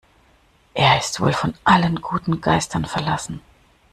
Er ist wohl von allen guten Geistern verlassen.